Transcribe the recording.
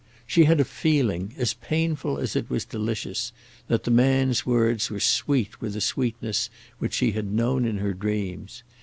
She had a feeling, as painful as it was delicious, that the man's words were sweet with a sweetness which she had known in her dreams.